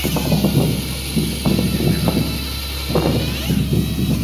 wabunge nchini yemen wamepiga kura kuidhinisha